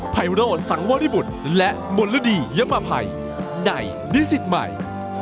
ภัยโรธสังวริบุตรและมลดียปภัยในนิสิตใหม่